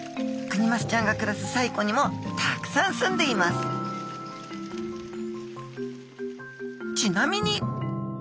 クニマスちゃんが暮らす西湖にもたくさんすんでいますちなみに！